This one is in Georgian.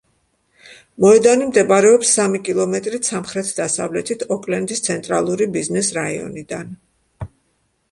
მოედანი მდებარეობს სამი კილომეტრით სამხრეთ-დასავლეთით ოკლენდის ცენტრალური ბიზნეს რაიონიდან.